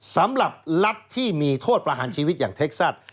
สำหรับรัฐที่มีโทษประหารชีวิตอย่างเท็กซัส